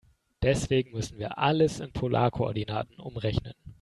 Deswegen müssen wir alles in Polarkoordinaten umrechnen.